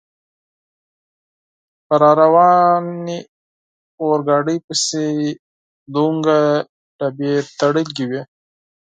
په را روانې اورګاډي پسې دومره ډبې تړلې وې.